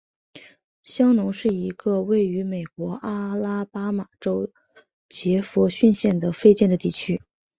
香农是一个位于美国阿拉巴马州杰佛逊县的非建制地区。